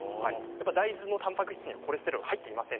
大豆のたんぱく質にはコレステロールが入っていません。